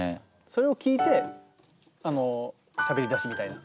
それを聴いてしゃべり出しみたいな。